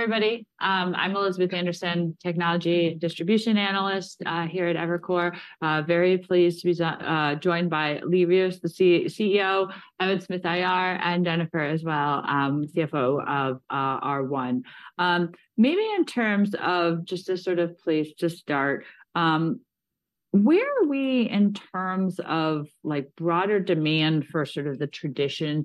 Hi, everybody. I'm Elizabeth Anderson, Technology Distribution Analyst, here at Evercore. Very pleased to be joined by Lee Rivas, the CEO, Evan Smith, IR, and Jennifer as well, CFO of R1. Maybe in terms of just to sort of place to start, where are we in terms of, like, broader demand for sort of the traditional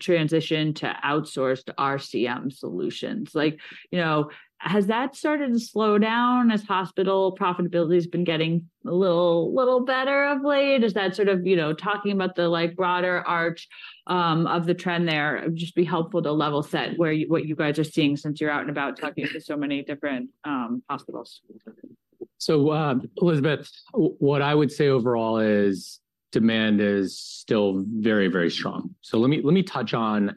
transition to outsourced RCM solutions? Like, you know, has that started to slow down as hospital profitability has been getting a little, little better of late? Is that sort of, you know, talking about the, like, broader arc of the trend there? It would just be helpful to level set where you what you guys are seeing since you're out and about talking to so many different hospitals. So, Elizabeth, what I would say overall is demand is still very, very strong. So let me, let me touch on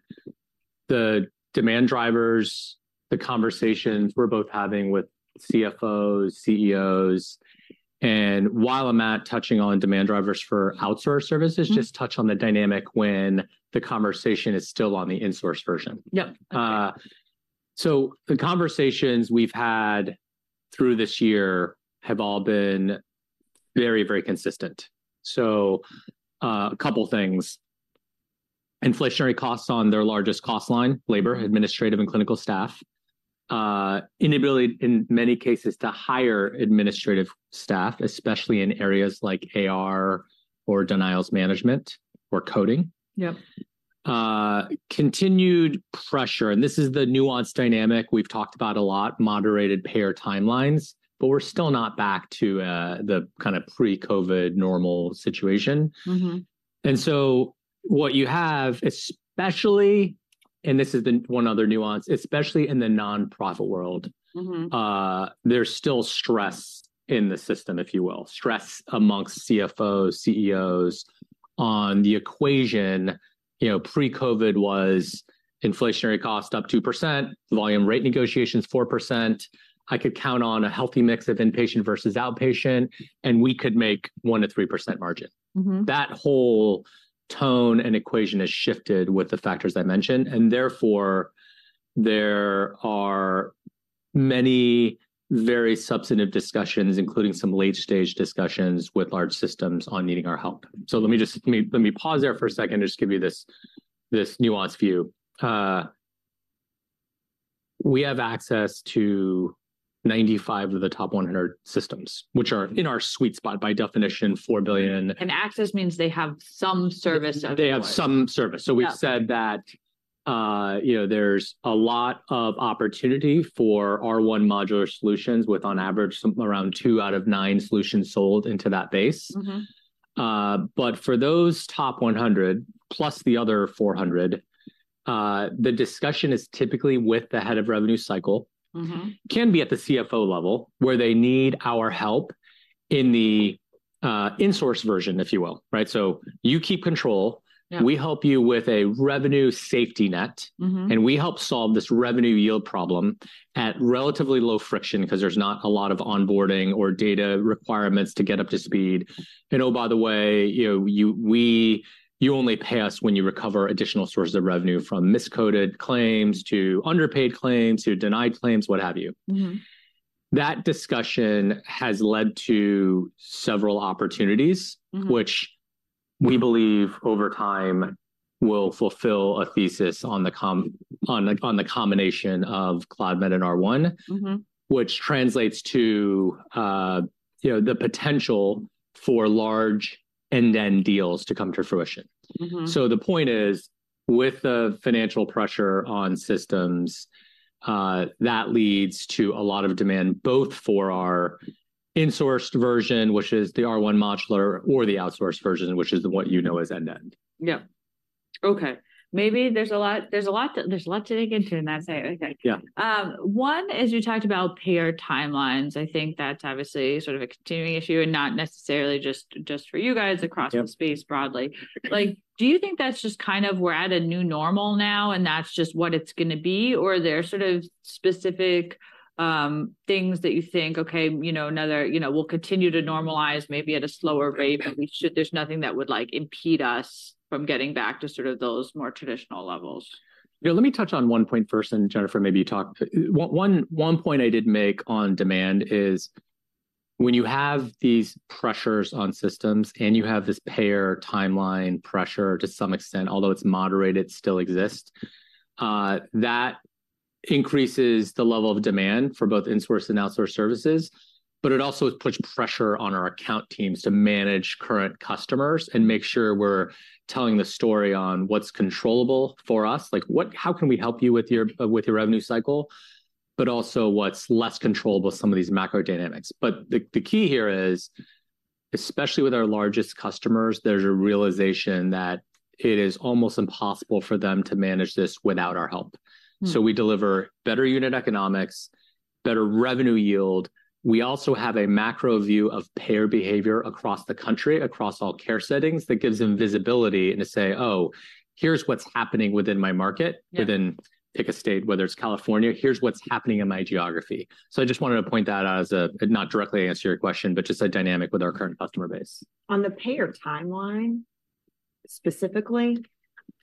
the demand drivers, the conversations we're both having with CFOs, CEOs. And while I'm at touching on demand drivers for outsourced services- Mm-hmm. Just touch on the dynamic when the conversation is still on the insourced version. Yep. So the conversations we've had through this year have all been very, very consistent. So, a couple things: inflationary costs on their largest cost line, labor, administrative, and clinical staff. Inability, in many cases, to hire administrative staff, especially in areas like AR or denials management or coding. Yep. Continued pressure, and this is the nuanced dynamic we've talked about a lot, moderated payer timelines, but we're still not back to the kind of pre-COVID normal situation. Mm-hmm. And so what you have, especially, and this is the one other nuance, especially in the nonprofit world- Mm-hmm There's still stress in the system, if you will. Stress among CFOs, CEOs on the equation. You know, pre-COVID was inflationary cost up 2%, volume rate negotiations, 4%. I could count on a healthy mix of inpatient versus outpatient, and we could make 1%-3% margin. Mm-hmm. That whole tone and equation has shifted with the factors I mentioned, and therefore, there are many very substantive discussions, including some late-stage discussions with large systems, on needing our help. So let me just let me pause there for a second and just give you this nuanced view. We have access to 95 of the top 100 systems, which are in our sweet spot, by definition, 4 billion- Access means they have some service of yours. They have some service. Yep. We've said that, you know, there's a lot of opportunity for R1 modular solutions, with, on average, some around two out of nine solutions sold into that base. Mm-hmm. But for those top 100 plus the other 400, the discussion is typically with the head of Revenue Cycle- Mm-hmm -can be at the CFO level, where they need our help in the, insource version, if you will. Right? So you keep control- Yeah ... we help you with a revenue safety net. Mm-hmm. We help solve this revenue yield problem at relatively low friction, because there's not a lot of onboarding or data requirements to get up to speed. Oh, by the way, you know, you only pay us when you recover additional sources of revenue from miscoded claims to underpaid claims to denied claims, what have you. Mm-hmm. That discussion has led to several opportunities- Mm-hmm -which we believe over time will fulfill a thesis on the combination of Cloudmed and R1- Mm-hmm -which translates to, you know, the potential for large end-to-end deals to come to fruition. Mm-hmm. The point is, with the financial pressure on systems, that leads to a lot of demand, both for our insourced version, which is the R1 Modular, or the outsourced version, which is what you know as end-to-end. Yep. Okay, maybe there's a lot to dig into in that statement, I think. Yeah. One, as you talked about payer timelines, I think that's obviously sort of a continuing issue and not necessarily just for you guys. Yep -across the space broadly. Like, do you think that's just kind of we're at a new normal now, and that's just what it's gonna be, or there are sort of specific things that you think, okay, you know, another, you know, we'll continue to normalize, maybe at a slower rate than we should. There's nothing that would, like, impede us from getting back to sort of those more traditional levels. Yeah, let me touch on one point first, then, Jennifer, maybe you talk... one point I did make on demand is, when you have these pressures on systems, and you have this payer timeline pressure to some extent, although it's moderated, it still exists, that increases the level of demand for both insourced and outsourced services, but it also puts pressure on our account teams to manage current customers and make sure we're telling the story on what's controllable for us. Like, what, how can we help you with your, with your revenue cycle, but also what's less controllable, some of these macro dynamics? But the, the key here is, especially with our largest customers, there's a realization that it is almost impossible for them to manage this without our help. Mm. So we deliver better unit economics, better revenue yield. We also have a macro view of payer behavior across the country, across all care settings, that gives them visibility and to say, "Oh, here's what's happening within my market- Yeah “Within,” pick a state, whether it’s California, “Here’s what’s happening in my geography.” So I just wanted to point that out as a, not directly answer your question, but just a dynamic with our current customer base. On the payer timeline?... specifically,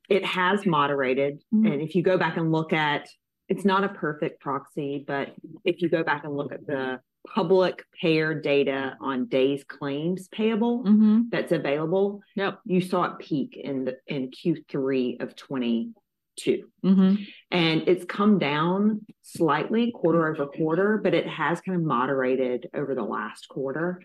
it has moderated. Mm-hmm. If you go back and look at, it's not a perfect proxy, but if you go back and look at the public payer data on Days Claims Payable- Mm-hmm. -that's available. Yep. You saw it peak in Q3 of 2022. Mm-hmm. It's come down slightly quarter-over-quarter, but it has kind of moderated over the last quarter.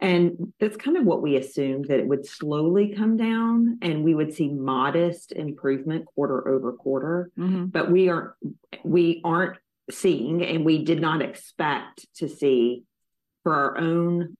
That's kind of what we assumed, that it would slowly come down, and we would see modest improvement quarter-over-quarter. Mm-hmm. But we are, we aren't seeing, and we did not expect to see, for our own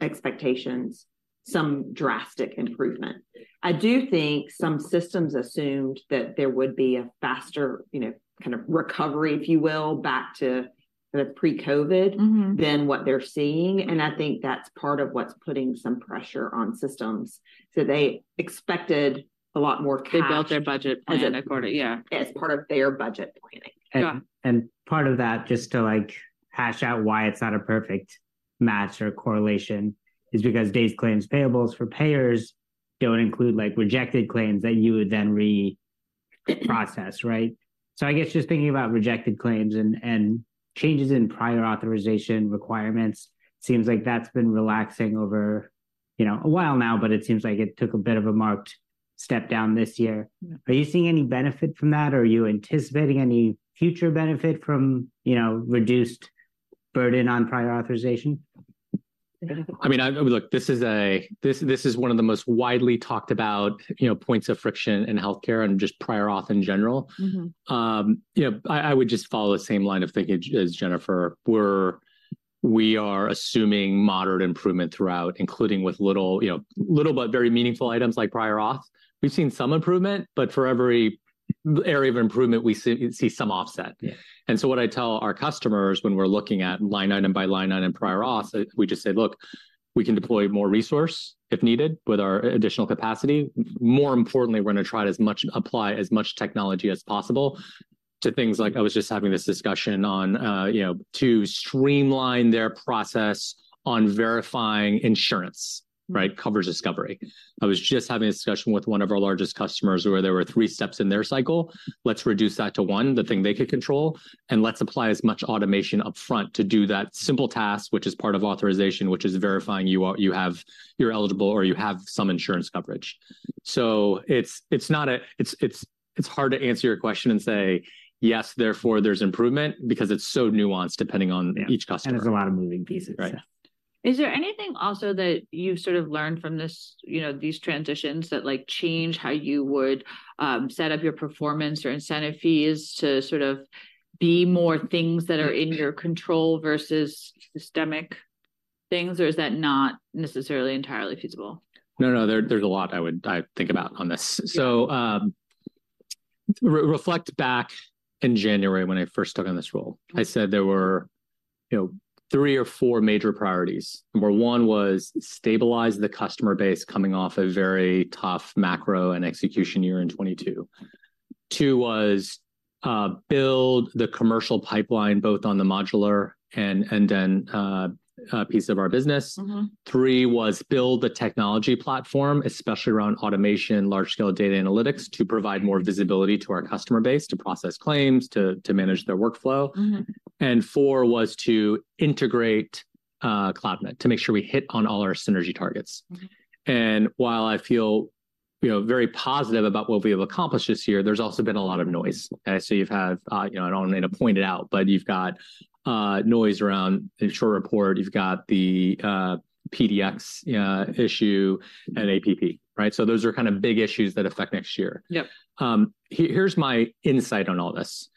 expectations, some drastic improvement. I do think some systems assumed that there would be a faster, you know, kind of recovery, if you will, back to the pre-COVID- Mm-hmm... than what they're seeing, and I think that's part of what's putting some pressure on systems. So they expected a lot more cash- They built their budget- Budget and according... Yeah. As part of their budget planning. Yeah. And part of that, just to, like, hash out why it's not a perfect match or correlation, is because Days Claims Payable for payers don't include, like, rejected claims that you would then re-process, right? So I guess just thinking about rejected claims and changes in Prior Authorization requirements, seems like that's been relaxing over, you know, a while now, but it seems like it took a bit of a marked step down this year. Are you seeing any benefit from that? Or are you anticipating any future benefit from, you know, reduced burden on Prior Authorization? Very- I mean, look, this is one of the most widely talked about, you know, points of friction in healthcare and just prior auth in general. Mm-hmm. You know, I would just follow the same line of thinking as Jennifer. We are assuming moderate improvement throughout, including with little, you know, little but very meaningful items like prior auth. We've seen some improvement, but for every area of improvement, we see some offset. Yeah. And so what I tell our customers when we're looking at line item by line item prior auth, we just say: "Look, we can deploy more resource, if needed, with our additional capacity. More importantly, we're going to try as much-- apply as much technology as possible," to things like... I was just having this discussion on, you know, to streamline their process on verifying insurance, right? Coverage discovery. I was just having a discussion with one of our largest customers, where there were three steps in their cycle. Let's reduce that to one, the thing they could control, and let's apply as much automation upfront to do that simple task, which is part of authorization, which is verifying you have-- you're eligible, or you have some insurance coverage. So it's hard to answer your question and say: "Yes, therefore, there's improvement," because it's so nuanced, depending on- Yeah... each customer. There's a lot of moving pieces. Right. Yeah. Is there anything also that you've sort of learned from this, you know, these transitions, that, like, change how you would set up your performance or incentive fees to sort of be more things that are in your control versus systemic things, or is that not necessarily entirely feasible? No, no, there's a lot I would, I think about on this. So, reflect back in January when I first took on this role. I said there were, you know, three or four major priorities, where one was stabilize the customer base coming off a very tough macro and execution year in 2022. Two was build the commercial pipeline, both on the modular and, and then a piece of our business. Mm-hmm. Three was build the technology platform, especially around automation, large-scale data analytics, to provide more visibility to our customer base, to process claims, to manage their workflow. Mm-hmm. Four was to integrate Cloudmed, to make sure we hit on all our synergy targets. Mm-hmm. And while I feel, you know, very positive about what we have accomplished this year, there's also been a lot of noise. So you have, you know, I don't need to point it out, but you've got noise around Envision or Short Report Mm... and APP, right? So those are kind of big issues that affect next year. Yep. Here, here's my insight on all this.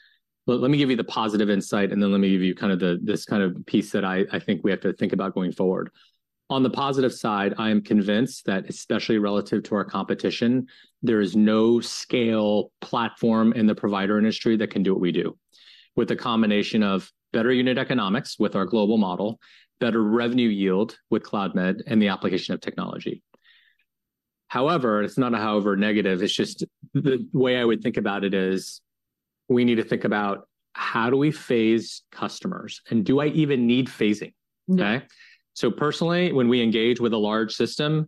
Let me give you the positive insight, and then let me give you kind of this kind of piece that I think we have to think about going forward. On the positive side, I am convinced that, especially relative to our competition, there is no scale platform in the provider industry that can do what we do, with a combination of better unit economics with our global model, better revenue yield with Cloudmed, and the application of technology. However, it's not a however negative, it's just the way I would think about it is, we need to think about how do we phase customers, and do I even need phasing? Mm. Okay? So personally, when we engage with a large system,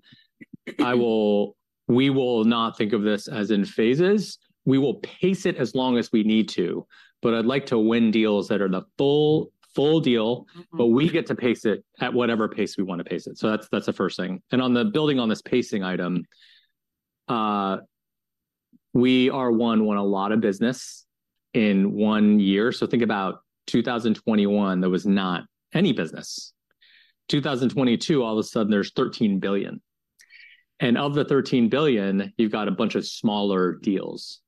I will- we will not think of this as in phases. We will pace it as long as we need to, but I'd like to win deals that are the full, full deal- Mm-hmm... but we get to pace it at whatever pace we want to pace it. So that's the first thing. And on the building on this pacing item, we won a lot of business in one year. So think about 2021, there was not any business. 2022, all of a sudden, there's $13 billion, and of the $13 billion, you've got a bunch of smaller deals.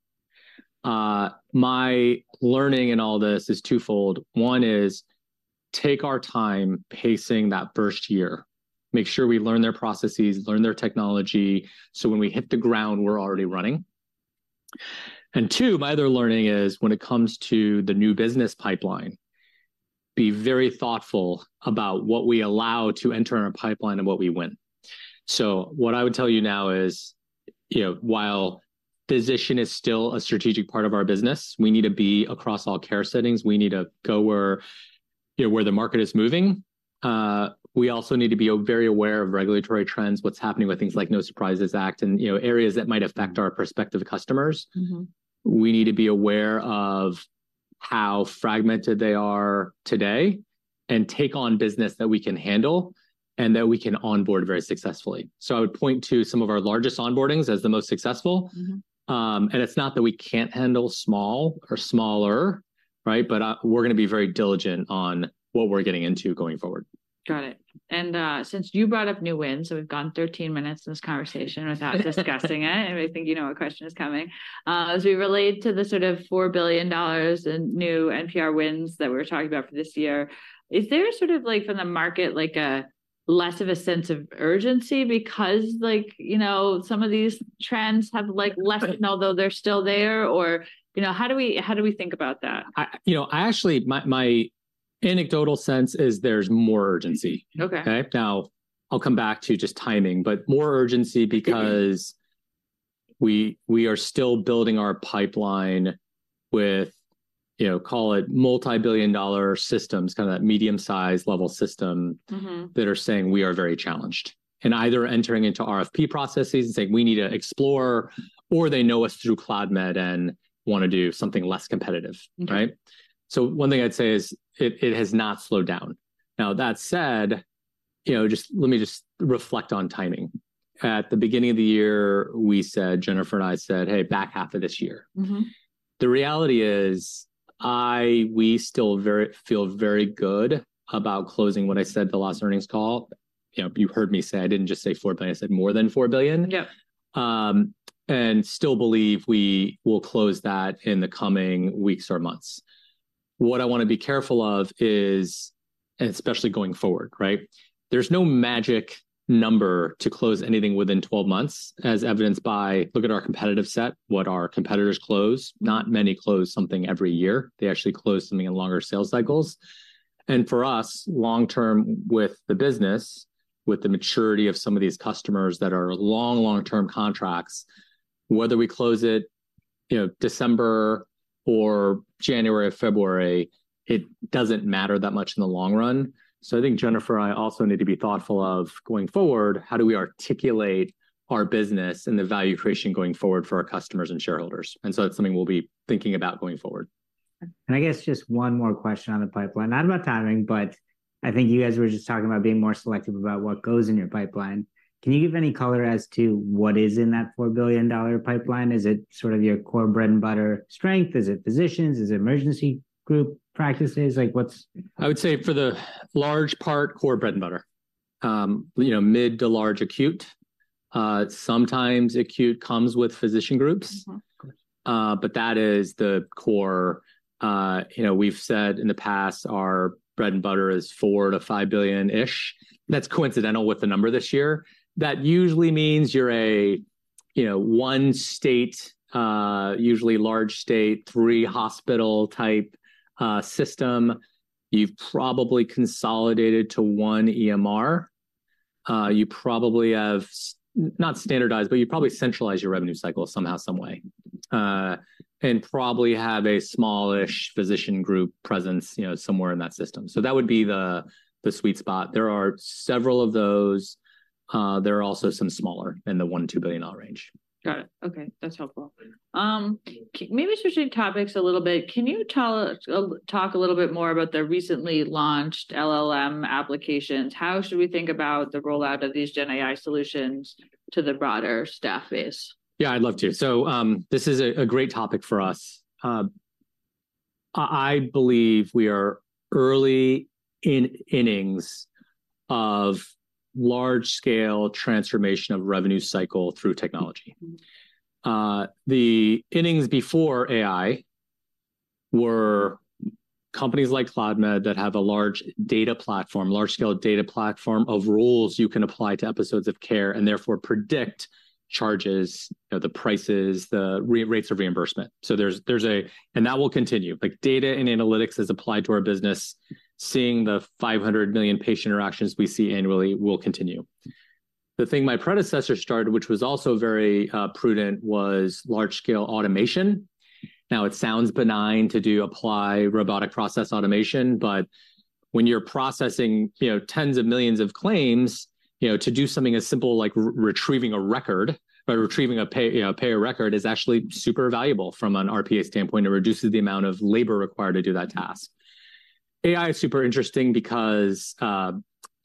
My learning in all this is twofold. One is, take our time pacing that first year. Make sure we learn their processes, learn their technology, so when we hit the ground, we're already running. And two, my other learning is, when it comes to the new business pipeline, be very thoughtful about what we allow to enter in our pipeline and what we win. So what I would tell you now is, you know, while-... Physician is still a strategic part of our business. We need to be across all care settings. We need to go where, you know, where the market is moving. We also need to be very aware of regulatory trends, what's happening with things like No Surprises Act, and, you know, areas that might affect our prospective customers. Mm-hmm. We need to be aware of how fragmented they are today, and take on business that we can handle and that we can onboard very successfully. So I would point to some of our largest onboardings as the most successful. Mm-hmm. It's not that we can't handle small or smaller, right? But we're going to be very diligent on what we're getting into going forward. Got it. And, since you brought up new wins, so we've gone 13 minutes in this conversation without discussing it. I think you know what question is coming. As we relate to the sort of $4 billion in new NPR wins that we're talking about for this year, is there sort of, like, from the market, like, a less of a sense of urgency? Because, like, you know, some of these trends have, like, lessened, although they're still there or. You know, how do we, how do we think about that? You know, I actually, my anecdotal sense is there's more urgency. Okay. Now, I'll come back to just timing, but more urgency because we, we are still building our pipeline with, you know, call it multi-billion dollar systems, kind of that medium-sized level system- Mm-hmm... that are saying we are very challenged. Either entering into RFP processes and saying, "We need to explore," or they know us through Cloudmed and want to do something less competitive, right? Mm-hmm. So one thing I'd say is, it has not slowed down. Now, that said, you know, just let me reflect on timing. At the beginning of the year, we said, Jennifer and I said, "Hey, back half of this year. Mm-hmm. The reality is, we still feel very good about closing what I said the last earnings call. You know, you heard me say, I didn't just say $4 billion, I said more than $4 billion. Yep. Still believe we will close that in the coming weeks or months. What I want to be careful of is, and especially going forward, right? There's no magic number to close anything within 12 months, as evidenced by, look at our competitive set, what our competitors close. Not many close something every year. They actually close something in longer sales cycles. And for us, long-term with the business, with the maturity of some of these customers that are long, long-term contracts, whether we close it, you know, December or January or February, it doesn't matter that much in the long run. So I think Jennifer and I also need to be thoughtful of, going forward, how do we articulate our business and the value creation going forward for our customers and shareholders? And so it's something we'll be thinking about going forward. I guess just one more question on the pipeline. Not about timing, but I think you guys were just talking about being more selective about what goes in your pipeline. Can you give any color as to what is in that $4 billion pipeline? Is it sort of your core bread-and-butter strength? Is it physicians? Is it emergency group practices? Like, what's- I would say for the large part, core bread-and-butter. You know, mid to large acute, sometimes acute comes with physician groups. Mm-hmm. But that is the core. You know, we've said in the past, our bread-and-butter is $4 billion-$5 billion-ish. That's coincidental with the number this year. That usually means you're a, you know, one state, usually large state, three hospital-type system. You've probably consolidated to one EMR. You probably have not standardized, but you probably centralize your revenue cycle somehow, some way. And probably have a smallish physician group presence, you know, somewhere in that system. So that would be the, the sweet spot. There are several of those. There are also some smaller, in the $1 billion-$2 billion range. Got it. Okay, that's helpful. Maybe switching topics a little bit, can you tell us, talk a little bit more about the recently launched LLM applications? How should we think about the rollout of these gen AI solutions to the broader staff base? Yeah, I'd love to. So, this is a great topic for us. I believe we are early in innings of large-scale transformation of revenue cycle through technology. Mm-hmm. The innings before AI were companies like Cloudmed that have a large data platform, large-scale data platform of rules you can apply to episodes of care, and therefore predict charges, you know, the prices, the rates of reimbursement. So there's a-- and that will continue, like, data and analytics as applied to our business, seeing the 500 million patient interactions we see annually will continue. The thing my predecessor started, which was also very prudent, was large-scale automation. Now, it sounds benign to do, apply robotic process automation, but when you're processing, you know, tens of millions of claims, you know, to do something as simple like retrieving a record, or retrieving a payer record, is actually super valuable from an RPA standpoint. It reduces the amount of labor required to do that task. AI is super interesting because,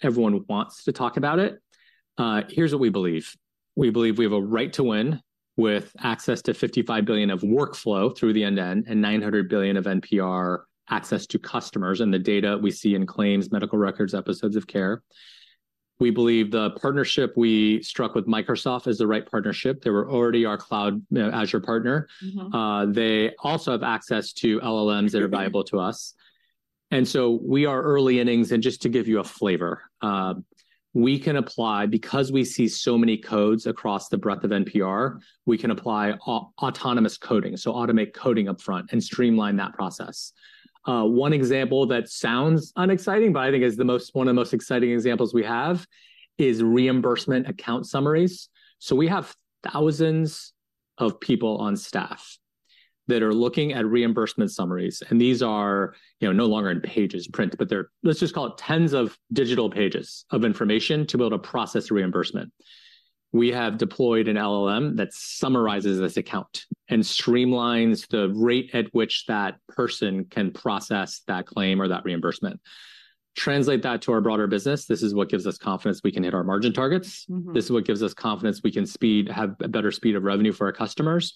everyone wants to talk about it. Here's what we believe: we believe we have a right to win with access to $55 billion of workflow through the end-to-end, and $900 billion of NPR access to customers and the data we see in claims, medical records, episodes of care. We believe the partnership we struck with Microsoft is the right partnership. They were already our cloud, Azure partner. Mm-hmm. They also have access to LLMs that are valuable to us. And so we are early innings, and just to give you a flavor, we can apply, because we see so many codes across the breadth of NPR, we can apply autonomous coding, so automate coding upfront and streamline that process. One example that sounds unexciting, but I think is the most, one of the most exciting examples we have, is reimbursement account summaries. So we have thousands of people on staff that are looking at reimbursement summaries, and these are, you know, no longer in pages print, but they're, let's just call it tens of digital pages of information to be able to process a reimbursement. We have deployed an LLM that summarizes this account and streamlines the rate at which that person can process that claim or that reimbursement. Translate that to our broader business, this is what gives us confidence we can hit our margin targets. Mm-hmm. This is what gives us confidence we can have a better speed of revenue for our customers.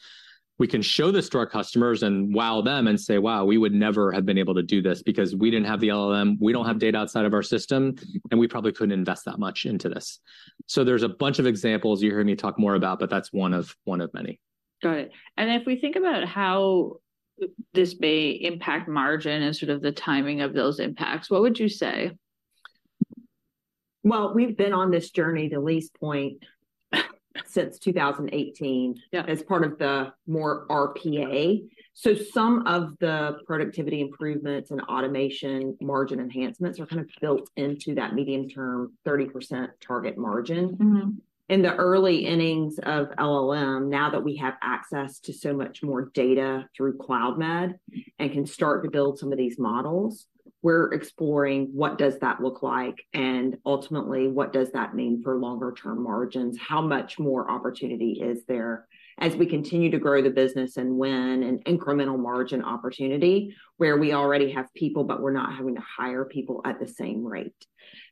We can show this to our customers and wow them and say, "Wow, we would never have been able to do this because we didn't have the LLM. We don't have data outside of our system, and we probably couldn't invest that much into this." So there's a bunch of examples you'll hear me talk more about, but that's one of, one of many. Got it. And if we think about how this may impact margin and sort of the timing of those impacts, what would you say? Well, we've been on this journey to least point since 2018- Yeah.... as part of the more RPA. So some of the productivity improvements and automation margin enhancements are kind of built into that medium-term, 30% target margin. Mm-hmm. In the early innings of LLM, now that we have access to so much more data through Cloudmed and can start to build some of these models, we're exploring what does that look like, and ultimately, what does that mean for longer term margins? How much more opportunity is there as we continue to grow the business and win an incremental margin opportunity where we already have people, but we're not having to hire people at the same rate?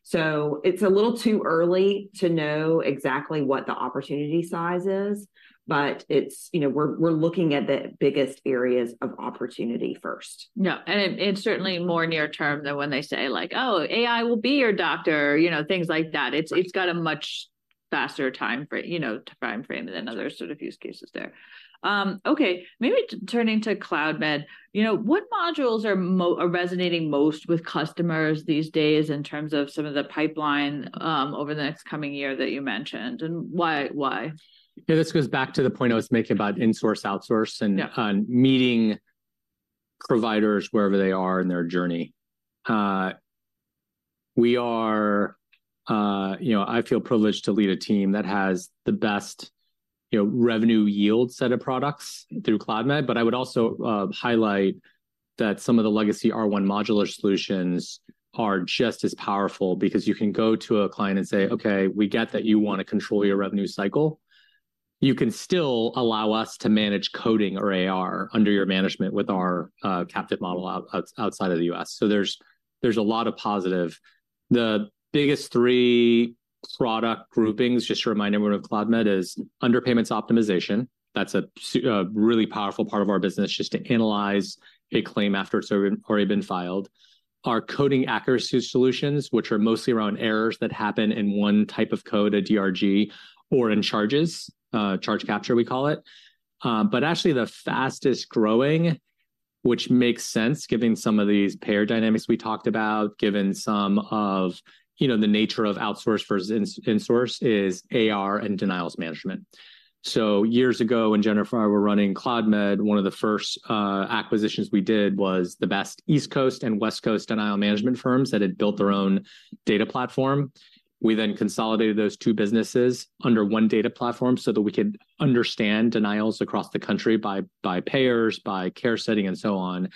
So it's a little too early to know exactly what the opportunity size is, but it's, you know, we're, we're looking at the biggest areas of opportunity first. Yeah, and it's certainly more near-term than when they say, like, "Oh, AI will be your doctor," you know, things like that. Right. It's got a much faster timeframe, you know, than other sort of use cases there. Okay, maybe turning to Cloudmed, you know, what modules are resonating most with customers these days in terms of some of the pipeline over the next coming year that you mentioned, and why? Yeah, this goes back to the point I was making about insource, outsource, and- Yeah... meeting providers wherever they are in their journey. We are, you know, I feel privileged to lead a team that has the best, you know, revenue yield set of products through Cloudmed. But I would also highlight that some of the legacy R1 modular solutions are just as powerful because you can go to a client and say, "Okay, we get that you want to control your revenue cycle. You can still allow us to manage coding or AR under your management with our captive model outside of the U.S." So there's a lot of positive. The biggest three product groupings, just to remind everyone of Cloudmed, is Underpayments Optimization. That's a really powerful part of our business, just to analyze a claim after it's already been filed. Our coding accuracy solutions, which are mostly around errors that happen in one type of code, a DRG, or in charges, charge capture, we call it. But actually, the fastest-growing, which makes sense, giving some of these payer dynamics we talked about, given some of, you know, the nature of outsource versus insource, is AR and denials management. So years ago, when Jennifer and I were running Cloudmed, one of the first acquisitions we did was the best East Coast and West Coast denial management firms that had built their own data platform. We then consolidated those two businesses under one data platform so that we could understand denials across the country by payers, by care setting, and so on.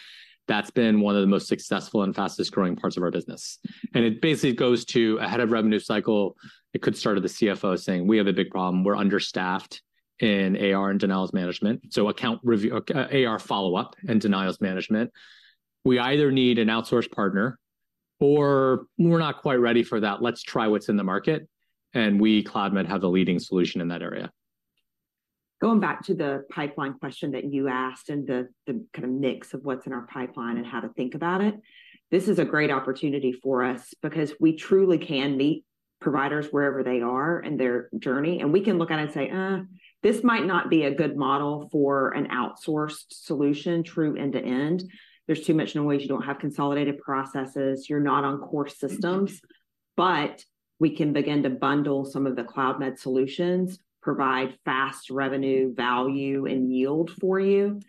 That's been one of the most successful and fastest-growing parts of our business. It basically goes to a head of revenue cycle, it could start at the CFO saying, "We have a big problem. We're understaffed in AR and denials management, so account review, AR follow-up and denials management. We either need an outsource partner or we're not quite ready for that. Let's try what's in the market," and we, Cloudmed, have the leading solution in that area. Going back to the pipeline question that you asked and the kind of mix of what's in our pipeline and how to think about it, this is a great opportunity for us because we truly can meet providers wherever they are in their journey, and we can look at it and say, "This might not be a good model for an outsourced solution, true end to end. There's too much noise. You don't have consolidated processes. You're not on core systems." But we can begin to bundle some of the Cloudmed solutions, provide fast revenue value and yield for you,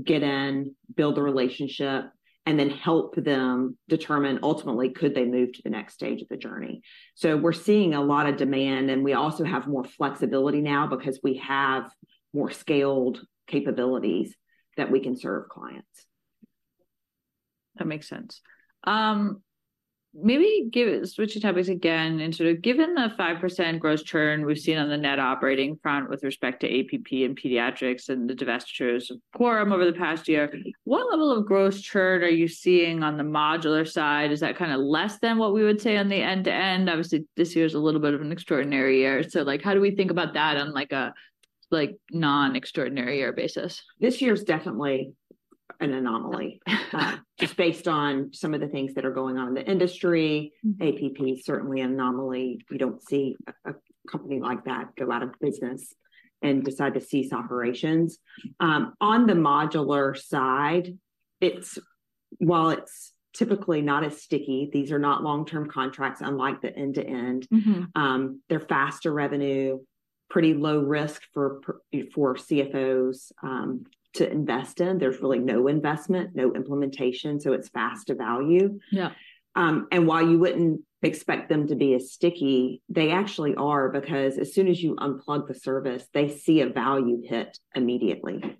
get in, build a relationship, and then help them determine, ultimately, could they move to the next stage of the journey? So we're seeing a lot of demand, and we also have more flexibility now because we have more scaled capabilities that we can serve clients. That makes sense. Maybe give it—switching topics again, into given the 5% growth churn we've seen on the net operating front with respect to APP and Pediatrix and the divestitures of Quorum over the past year, what level of growth churn are you seeing on the modular side? Is that kind of less than what we would say on the end-to-end? Obviously, this year is a little bit of an extraordinary year. So, like, how do we think about that on, like, a, like, non-extraordinary year basis? This year is definitely an anomaly. Just based on some of the things that are going on in the industry, APP, certainly an anomaly. We don't see a company like that go out of business and decide to cease operations. On the modular side, it's typically not as sticky. These are not long-term contracts, unlike the end-to-end. Mm-hmm. They're faster revenue, pretty low risk for CFOs to invest in. There's really no investment, no implementation, so it's faster value. Yeah. And while you wouldn't expect them to be as sticky, they actually are, because as soon as you unplug the service, they see a value hit immediately.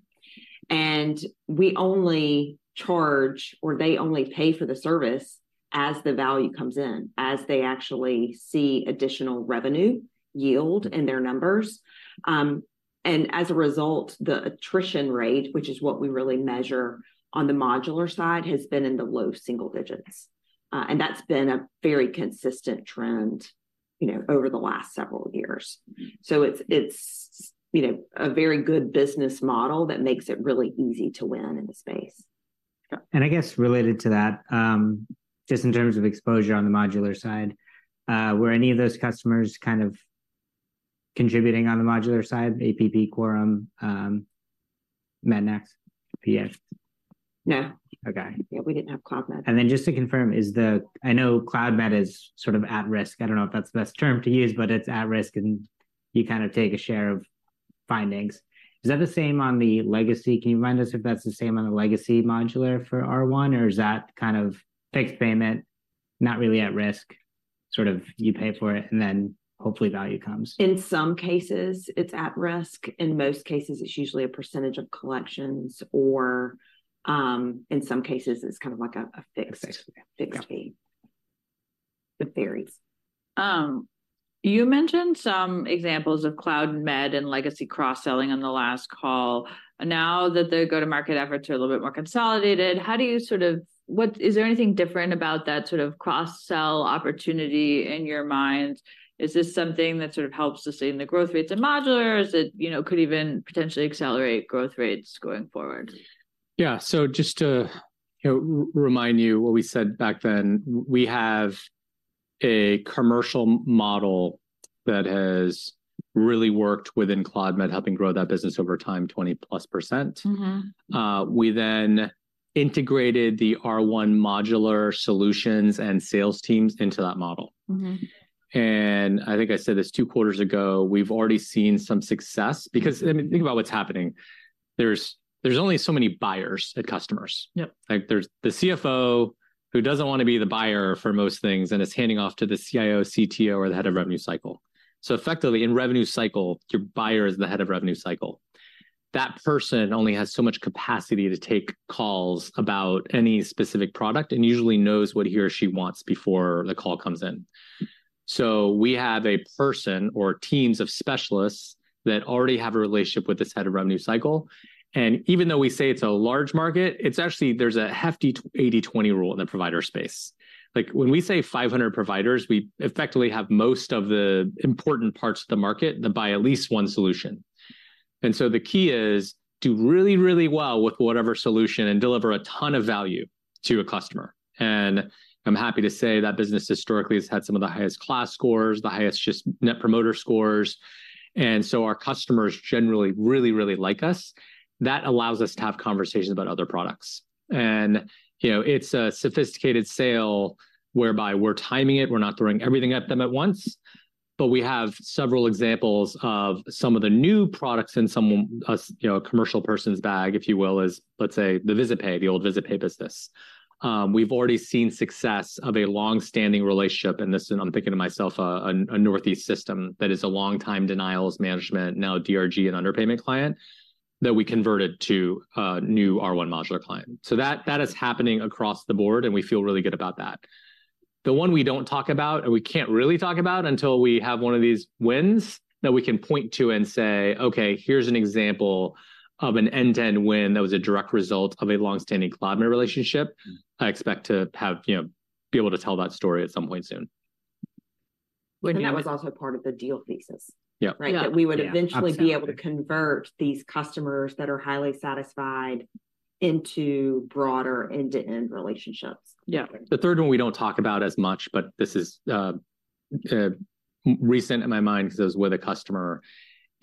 And we only charge, or they only pay for the service as the value comes in, as they actually see additional revenue yield in their numbers. And as a result, the attrition rate, which is what we really measure on the modular side, has been in the low single digits. And that's been a very consistent trend, you know, over the last several years. So it's, you know, a very good business model that makes it really easy to win in the space. I guess related to that, just in terms of exposure on the modular side, were any of those customers kind of contributing on the modular side, APP, Quorum, Mednax, PS? No. Okay. Yeah, we didn't have Cloudmed. Then just to confirm, is the—I know Cloudmed is sort of at-risk. I don't know if that's the best term to use, but it's at risk, and you kind of take a share of findings. Is that the same on the legacy? Can you remind us if that's the same on the legacy modular for R1, or is that kind of fixed payment, not really at risk, sort of you pay for it, and then hopefully value comes? In some cases, it's at risk. In most cases, it's usually a percentage of collections, or, in some cases, it's kind of like a fixed- Fixed payment..... fixed fee. It varies. You mentioned some examples of Cloudmed and legacy cross-selling on the last call. Now that the go-to-market efforts are a little bit more consolidated, how do you sort of, what, is there anything different about that sort of cross-sell opportunity in your mind? Is this something that sort of helps to sustain the growth rates in modular, or is it, you know, could even potentially accelerate growth rates going forward? Yeah. So just to, you know, remind you what we said back then, we have a commercial model that has really worked within Cloudmed, helping grow that business over time, 20%+. Mm-hmm. We then integrated the R1 modular solutions and sales teams into that model. Mm-hmm. I think I said this two quarters ago, we've already seen some success, because, I mean, think about what's happening: there's only so many buyers and customers. Yep. Like, there's the CFO, who doesn't want to be the buyer for most things and is handing off to the CIO, CTO, or the head of revenue cycle. So effectively, in revenue cycle, your buyer is the head of revenue cycle. That person only has so much capacity to take calls about any specific product, and usually knows what he or she wants before the call comes in. So we have a person or teams of specialists that already have a relationship with this head of revenue cycle, and even though we say it's a large market, it's actually—there's a hefty 80/20 rule in the provider space. Like, when we say 500 providers, we effectively have most of the important parts of the market, that buy at least one solution. And so the key is, do really, really well with whatever solution and deliver a ton of value to a customer. And I'm happy to say that business historically has had some of the highest KLAS scores, the highest just Net Promoter scores, and so our customers generally really, really like us. That allows us to have conversations about other products. And, you know, it's a sophisticated sale whereby we're timing it, we're not throwing everything at them at once, but we have several examples of some of the new products in someone's, you know, a commercial person's bag, if you will, is, let's say, the VisitPay, the old VisitPay business. We've already seen success of a long-standing relationship, and I'm thinking to myself, a Northeast system that is a long time Denials Management, now a DRG and underpayment client, that we converted to a new R1 modular client. So that is happening across the board, and we feel really good about that. The one we don't talk about, and we can't really talk about until we have one of these wins that we can point to and say, "Okay, here's an example of an end-to-end win that was a direct result of a long-standing Cloudmed relationship," I expect to have, you know, be able to tell that story at some point soon. That was also part of the deal thesis. Yeah. Right? Yeah. That we would eventually- Absolutely... be able to convert these customers that are highly satisfied into broader end-to-end relationships. Yeah. The third one we don't talk about as much, but this is recent in my mind, because it was with a customer,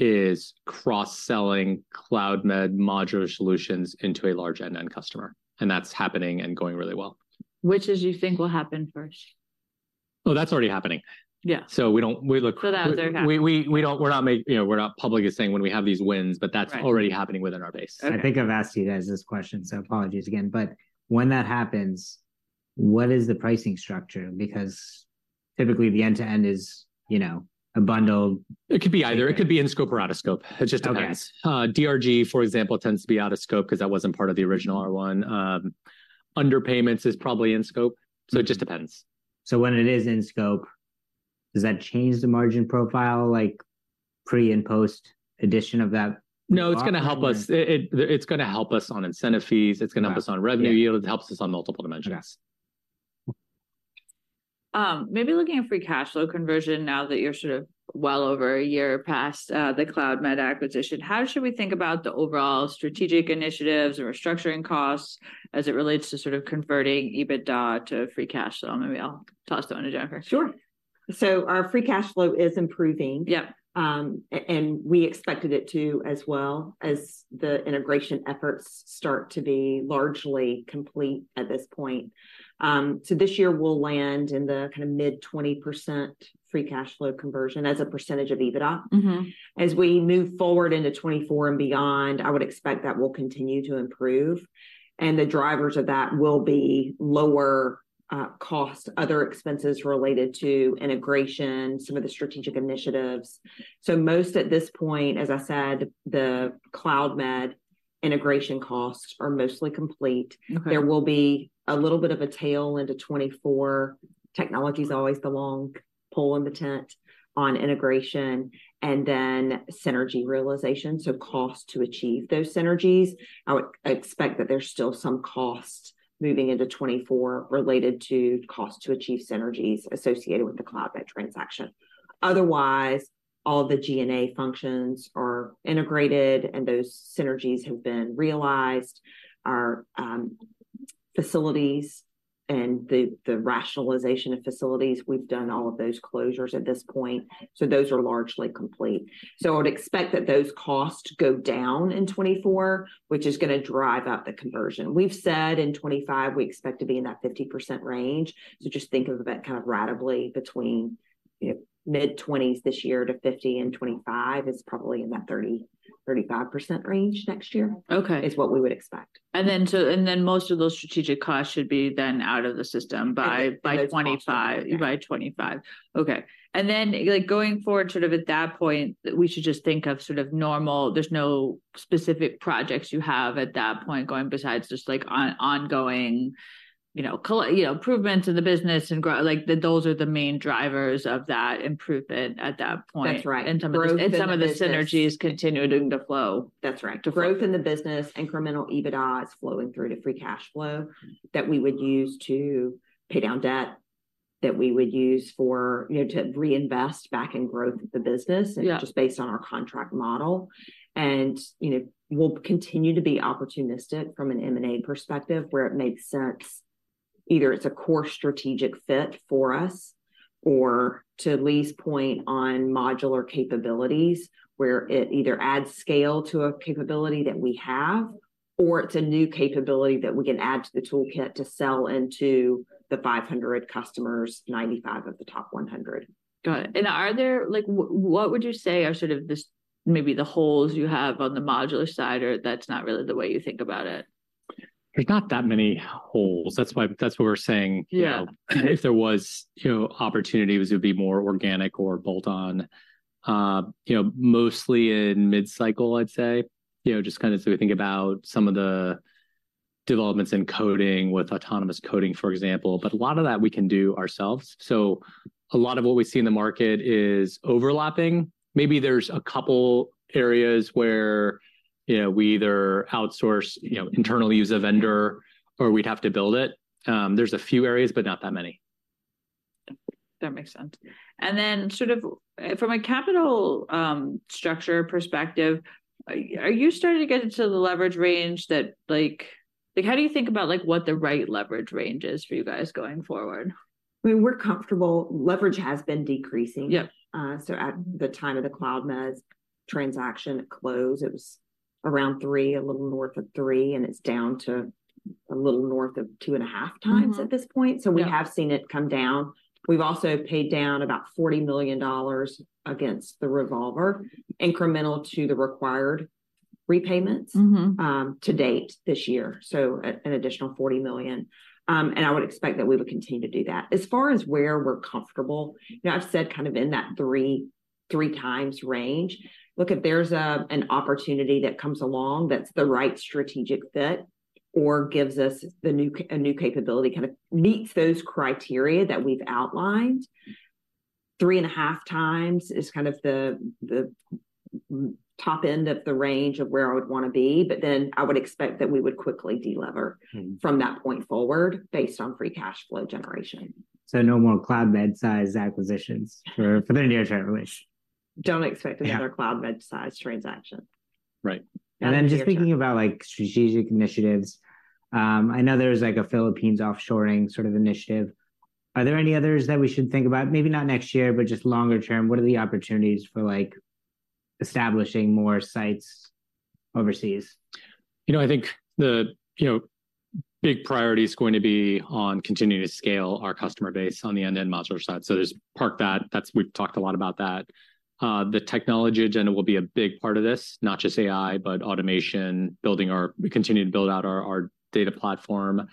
is cross-selling Cloudmed modular solutions into a large end-to-end customer, and that's happening and going really well. Which do you think will happen first? Oh, that's already happening. Yeah. So we look- That's already happening. We don't, we're not – you know, we're not public as saying when we have these wins- Right... but that's already happening within our base. I think I've asked you guys this question, so apologies again. But when that happens, what is the pricing structure? Because typically, the end-to-end is, you know, a bundle. It could be either. It could be in scope or out of scope. It just depends. Okay. DRG, for example, tends to be out of scope, 'cause that wasn't part of the original R1. Underpayments is probably in scope, so it just depends. When it is in scope, does that change the margin profile, like pre- and post-addition of that? No, it's gonna help us. It's gonna help us on incentive fees, it's gonna help us on revenue yield. Yeah... it helps us on multiple dimensions. Yeah. Maybe looking at free cash flow conversion now that you're sort of well over a year past, the Cloudmed acquisition, how should we think about the overall strategic initiatives and restructuring costs as it relates to sort of converting EBITDA to free cash flow? Maybe I'll toss that one to Jennifer. Sure.... So our free cash flow is improving. Yep. We expected it to, as well, as the integration efforts start to be largely complete at this point. This year we'll land in the kind of mid-20% free cash flow conversion as a percentage of EBITDA. Mm-hmm. As we move forward into 2024 and beyond, I would expect that will continue to improve, and the drivers of that will be lower costs, other expenses related to integration, some of the strategic initiatives. So most, at this point, as I said, the Cloudmed integration costs are mostly complete. Okay. There will be a little bit of a tail into 2024. Technology's always the long pole in the tent on integration, and then synergy realization, so cost to achieve those synergies. I would expect that there's still some costs moving into 2024 related to cost to achieve synergies associated with the Cloudmed transaction. Otherwise, all the GNA functions are integrated, and those synergies have been realized. Our facilities and the rationalization of facilities, we've done all of those closures at this point, so those are largely complete. So I would expect that those costs go down in 2024, which is gonna drive up the conversion. We've said in 2025, we expect to be in that 50% range. So just think of it kind of ratably between, you know, mid-20s this year to 50%, and 2025 is probably in that 30%-35% range next year- Okay.... is what we would expect. And then most of those strategic costs should be out of the system by- Yes... by 2025- By 2025. By 2025. Okay, and then, like, going forward, sort of at that point, we should just think of sort of normal... There's no specific projects you have at that point going, besides just, like, ongoing, you know, you know, improvements in the business and like, the, those are the main drivers of that improvement at that point. That's right. And growth in the business- Some of the synergies continuing to flow. That's right. To flow- Growth in the business, incremental EBITDAs flowing through to free cash flow that we would use to pay down debt, that we would use for, you know, to reinvest back in growth of the business- Yeah... just based on our contract model. And, you know, we'll continue to be opportunistic from an M&A perspective where it makes sense. Either it's a core strategic fit for us, or to at least point on modular capabilities, where it either adds scale to a capability that we have, or it's a new capability that we can add to the toolkit to sell into the 500 customers, 95 of the top 100. Got it. Are there… Like, what, what would you say are sort of the, maybe the holes you have on the modular side, or that's not really the way you think about it? There's not that many holes. That's why- that's what we're saying. Yeah. You know, if there was, you know, opportunities, it would be more organic or bolt-on. You know, mostly in mid-cycle, I'd say, you know, just kind of as we think about some of the developments in coding with autonomous coding, for example. But a lot of that we can do ourselves. So a lot of what we see in the market is overlapping. Maybe there's a couple areas where, you know, we either outsource, you know, internally use a vendor, or we'd have to build it. There's a few areas, but not that many. That makes sense. Then sort of from a capital structure perspective, are you, are you starting to get into the leverage range that, like... Like, how do you think about, like, what the right leverage range is for you guys going forward? I mean, we're comfortable. Leverage has been decreasing. Yep. So at the time of the Cloudmed's transaction close, it was around three, a little north of three, and it's down to a little north of two and a half times- Mm-hmm..... at this point. Yep. We have seen it come down. We've also paid down about $40 million against the revolver, incremental to the required repayments- Mm-hmm... to date this year, so an additional $40 million. And I would expect that we would continue to do that. As far as where we're comfortable, you know, I've said kind of in that 3x-3x range. Look, if there's an opportunity that comes along that's the right strategic fit or gives us a new capability, kind of meets those criteria that we've outlined, 3.5x is kind of the top end of the range of where I would want to be. But then I would expect that we would quickly de-lever- Mm..... from that point forward, based on free cash flow generation. So no more Cloudmed-sized acquisitions for the near term at least? Don't expect- Yeah... another Cloudmed-sized transaction. Right. Just thinking about, like, strategic initiatives, I know there's, like, a Philippines offshoring sort of initiative. Are there any others that we should think about? Maybe not next year, but just longer term, what are the opportunities for, like, establishing more sites overseas? You know, I think the big priority is going to be on continuing to scale our customer base on the end-to-end modular side. So there's part of that. We've talked a lot about that. The technology agenda will be a big part of this, not just AI, but automation, building our. We continue to build out our data platform.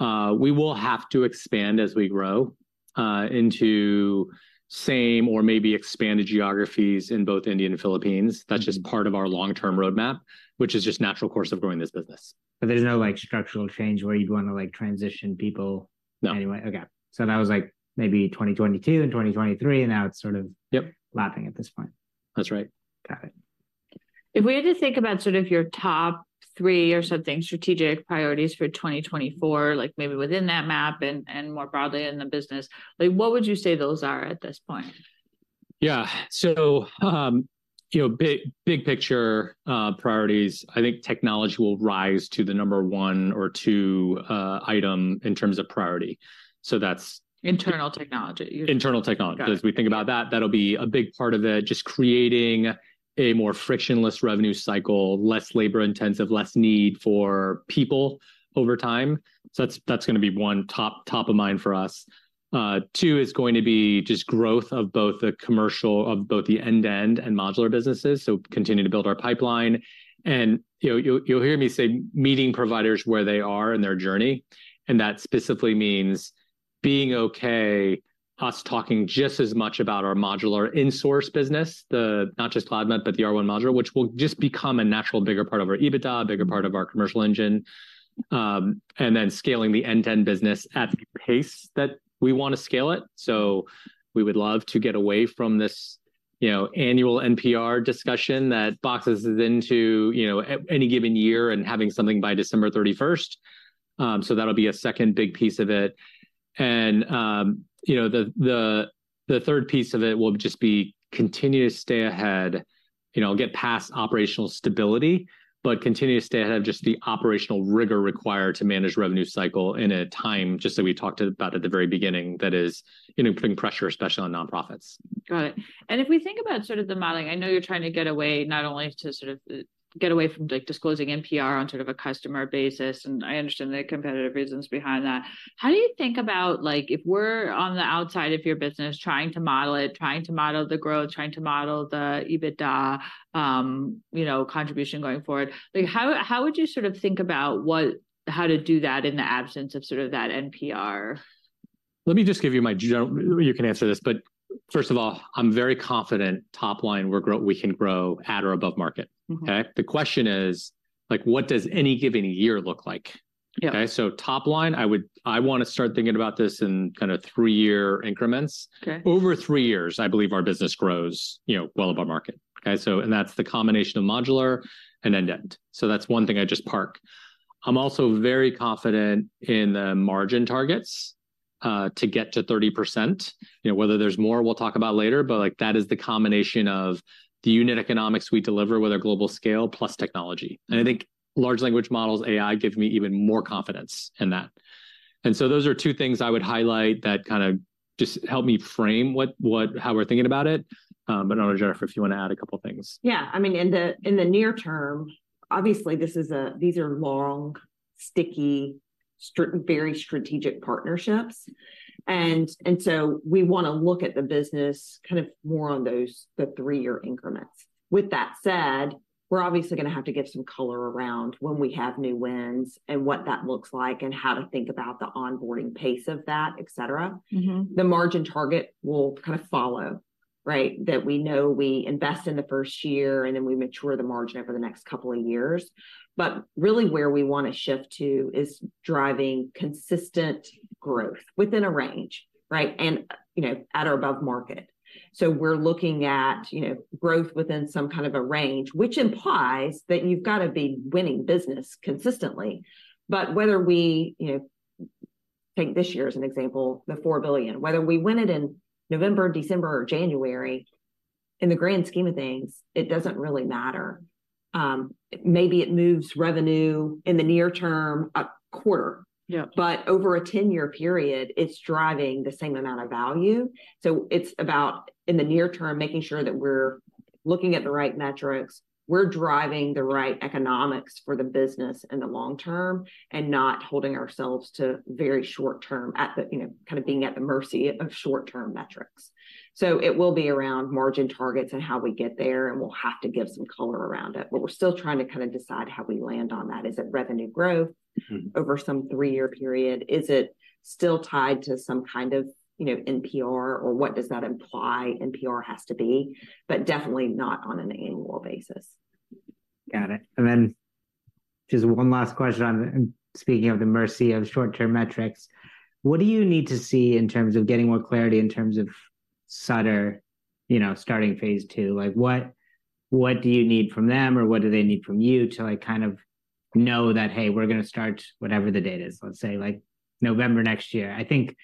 We will have to expand as we grow into same or maybe expanded geographies in both India and Philippines. Mm-hmm. That's just part of our long-term roadmap, which is just natural course of growing this business. But there's no, like, structural change where you'd want to, like, transition people- No... anyway? Okay. So that was, like, maybe 2022 and 2023, and now it's sort of- Yep ... overlapping at this point. That's right. Got it. If we had to think about sort of your top three or something, strategic priorities for 2024, like maybe within that map and more broadly in the business, like, what would you say those are at this point?... Yeah. So, you know, big, big picture, priorities, I think technology will rise to the number one or two, item in terms of priority. So that's- Internal technology. Internal technology. Got it. As we think about that, that'll be a big part of it, just creating a more frictionless revenue cycle, less labor intensive, less need for people over time. So that's gonna be one top of mind for us. Two is going to be just growth of both the commercial, of both the end-to-end and modular businesses, so continue to build our pipeline. And, you know, you'll hear me say, meeting providers where they are in their journey, and that specifically means being okay, us talking just as much about our modular in-source business, not just Cloudmed, but the R1 module, which will just become a natural, bigger part of our EBITDA, a bigger part of our commercial engine. And then scaling the end-to-end business at the pace that we want to scale it. So we would love to get away from this, you know, annual NPR discussion that boxes it into, you know, at any given year, and having something by December 31st. So that'll be a second big piece of it. And, you know, the third piece of it will just be continue to stay ahead, you know, get past operational stability, but continue to stay ahead of just the operational rigor required to manage revenue cycle in a time, just like we talked about at the very beginning, that is, you know, putting pressure, especially on nonprofits. Got it. And if we think about sort of the modeling, I know you're trying to get away not only to sort of get away from, like, disclosing NPR on sort of a customer basis, and I understand the competitive reasons behind that. How do you think about, like, if we're on the outside of your business, trying to model it, trying to model the growth, trying to model the EBITDA, you know, contribution going forward, like, how would you sort of think about what- how to do that in the absence of sort of that NPR? Let me just give you my general... You can answer this, but first of all, I'm very confident top line, we're growing. We can grow at or above market. Mm-hmm. Okay? The question is, like, what does any given year look like? Yeah. Okay, so top line, I want to start thinking about this in kind of three-year increments. Okay. Over three years, I believe our business grows, you know, well above market. Okay, so and that's the combination of modular and end-to-end. So that's one thing I just park. I'm also very confident in the margin targets to get to 30%. You know, whether there's more, we'll talk about later, but, like, that is the combination of the unit economics we deliver with our global scale plus technology. And I think large language models, AI, give me even more confidence in that. And so those are two things I would highlight that kind of just help me frame how we're thinking about it. But I don't know, Jennifer, if you want to add a couple things. Yeah. I mean, in the near term, obviously, these are long, sticky, very strategic partnerships. And so we want to look at the business kind of more on those three-year increments. With that said, we're obviously going to have to give some color around when we have new wins and what that looks like, and how to think about the onboarding pace of that, et cetera. Mm-hmm. The margin target will kind of follow, right? That we know we invest in the first year, and then we mature the margin over the next couple of years. But really where we want to shift to is driving consistent growth within a range, right, and, you know, at or above market. So we're looking at, you know, growth within some kind of a range, which implies that you've got to be winning business consistently. But whether we, you know, take this year as an example, the $4 billion, whether we win it in November, December, or January, in the grand scheme of things, it doesn't really matter. Maybe it moves revenue in the near term, a quarter. Yeah. But over a 10-year period, it's driving the same amount of value. So it's about, in the near term, making sure that we're looking at the right metrics, we're driving the right economics for the business in the long term, and not holding ourselves to very short-term at the, you know, kind of being at the mercy of short-term metrics. So it will be around margin targets and how we get there, and we'll have to give some color around it. But we're still trying to kind of decide how we land on that. Is it revenue growth- Mm-hmm... over some three year period? Is it still tied to some kind of, you know, NPR, or what does that imply NPR has to be? But definitely not on an annual basis. Got it. Just one last question, speaking of the mercy of short-term metrics, what do you need to see in terms of getting more clarity, in terms of Sutter, you know, starting phase II? Like, what do you need from them, or what do they need from you to, like, kind of know that, hey, we're gonna start whatever the date is, let's say, like, November next year? I think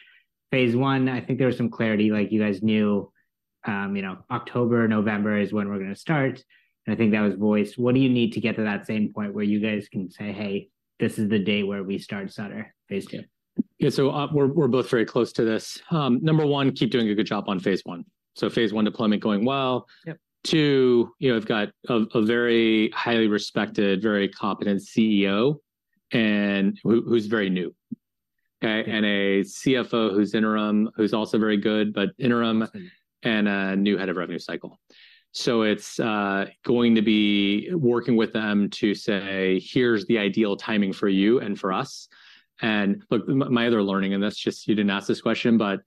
phase I, I think there was some clarity, like, you guys knew, you know, October or November is when we're gonna start, and I think that was voiced. What do you need to get to that same point where you guys can say, "Hey, this is the day where we start Sutter, phase II? Yeah, so we're both very close to this. Number one, keep doing a good job on phase I. phase I deployment going well. Yep. Two, you know, we've got a very highly respected, very competent CEO and who's very new, okay? Mm-hmm. And a CFO who's interim, who's also very good, but interim, and a new head of revenue cycle. So it's going to be working with them to say, "Here's the ideal timing for you and for us." And look, my other learning, and that's just, you didn't ask this question, but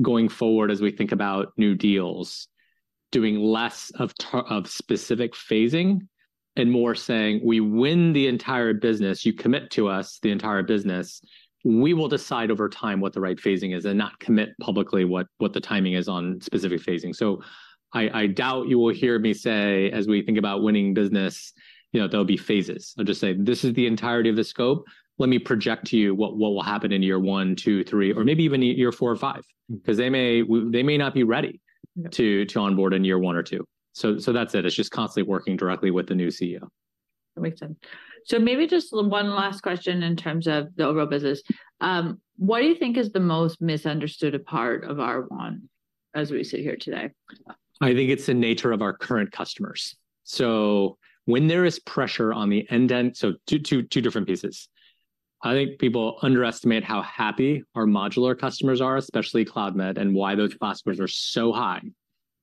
going forward, as we think about new deals, doing less of specific phasing and more saying, "We win the entire business, you commit to us the entire business, we will decide over time what the right phasing is, and not commit publicly what the timing is on specific phasing." So, I doubt you will hear me say, as we think about winning business, you know, there'll be phases. I'll just say, "This is the entirety of the scope. Let me project to you what will happen in year one, two, three, or maybe even year four or five. Mm. 'Cause they may not be ready- Yeah to onboard in year one or two. So that's it. It's just constantly working directly with the new CEO. That makes sense. So maybe just one last question in terms of the overall business. What do you think is the most misunderstood part of R1 as we sit here today? I think it's the nature of our current customers. So when there is pressure on the end-to-end—so two different pieces. I think people underestimate how happy our modular customers are, especially Cloudmed, and why those customers are so high.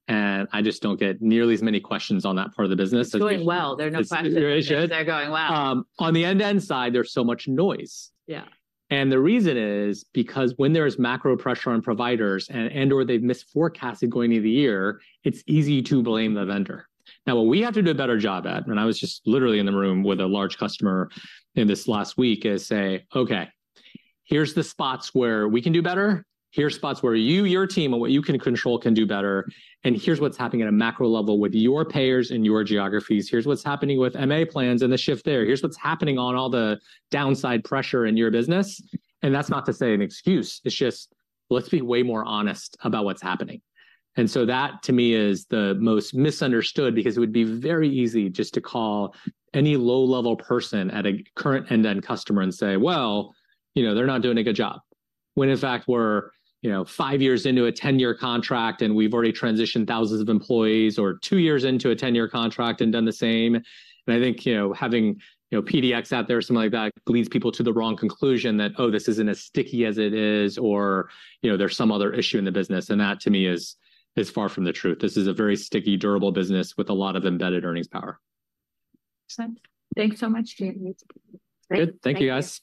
And I just don't get nearly as many questions on that part of the business. It's going well. There are no questions- It's very good. They're going well. On the end-to-end side, there's so much noise. Yeah. The reason is because when there is macro pressure on providers and, and/or they've misforecasted going into the year, it's easy to blame the vendor. Now, what we have to do a better job at, and I was just literally in the room with a large customer in this last week, is say, "Okay, here's the spots where we can do better. Here's spots where you, your team, and what you can control can do better. And here's what's happening at a macro level with your payers and your geographies. Here's what's happening with MA plans and the shift there. Here's what's happening on all the downside pressure in your business." And that's not to say an excuse, it's just, let's be way more honest about what's happening. So that, to me, is the most misunderstood, because it would be very easy just to call any low-level person at a current end-to-end customer and say, "Well, you know, they're not doing a good job," when in fact we're, you know, five years into a 10-year contract, and we've already transitioned thousands of employees, or two years into a 10-year contract and done the same. And I think, you know, having, you know, PDX out there or something like that, leads people to the wrong conclusion that, oh, this isn't as sticky as it is, or, you know, there's some other issue in the business. And that, to me, is, is far from the truth. This is a very sticky, durable business with a lot of embedded earnings power. Makes sense. Thank you so much, James. Good. Thank you, guys.